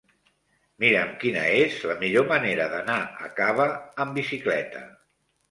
Mira'm quina és la millor manera d'anar a Cava amb bicicleta.